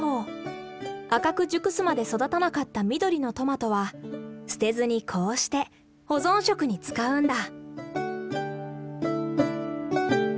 赤く熟すまで育たなかった緑のトマトは捨てずにこうして保存食に使うんだ。